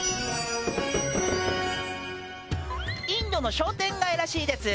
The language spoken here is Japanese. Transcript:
インドの商店街らしいです